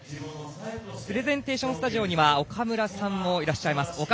プレゼンテーションスタジオには岡村さんもいらっしゃいます。